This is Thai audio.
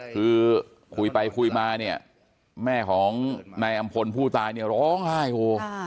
คือคุยไปคุยมาเนี่ยแม่ของนายอำพลผู้ตายเนี่ยร้องไห้โฮ